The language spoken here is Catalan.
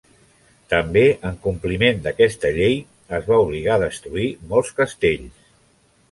També en compliment d'aquesta llei es va obligar a destruir molts castells.